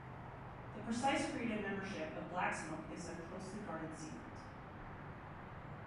The precise creative membership of Blacksmoke is a closely guarded secret.